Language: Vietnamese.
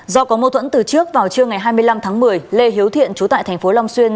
do có mâu thuẫn từ trước vào trưa ngày hai mươi năm tháng một mươi lê hiếu thiện trú tại thành phố long xuyên